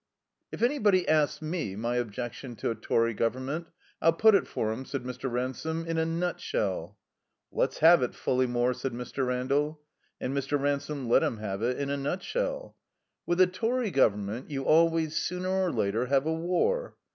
"If anybody asks me my objection to a Tory Government, I'll put it for 'em/' said Mr. Ransome, "in a nutshell." "Let's have it, Pullesmaore," said Mr. Randall. And Mr. Ransome let him have it — in a nutshell. "With a Tory Government you always, sooner or later, have a war.